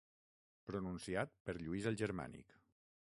Pronunciat per Lluís el Germànic.